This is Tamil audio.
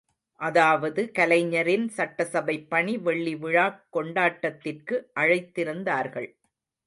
அதாவது கலைஞரின் சட்டசபைப் பணி வெள்ளிவிழாக் கொண்டாட்டத்திற்கு அழைத்திருந்தார்கள்!